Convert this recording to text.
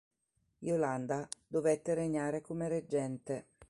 Yolanda dovette regnare come reggente.